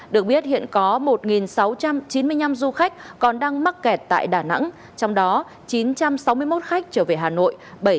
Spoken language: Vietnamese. được biết hiện có một sáu trăm chín mươi năm du khách còn đang mắc kẹt tại đà nẵng trong đó chín trăm sáu mươi một khách trở về hà nội